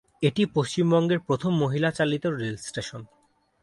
এটি পশ্চিমবঙ্গের প্রথম মহিলা চালিত রেলস্টেশন।